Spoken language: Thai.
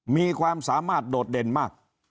มีความสามารถโดดเด่นมาก